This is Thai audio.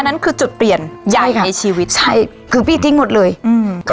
นั่นคือจุดเปลี่ยนใหญ่ในชีวิตใช่คือพี่ทิ้งหมดเลยอืม